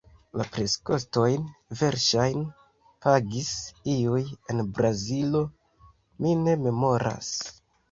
La preskostojn verŝajne pagis iuj en Brazilo – mi ne memoras.